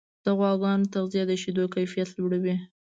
د غواګانو تغذیه د شیدو کیفیت لوړوي.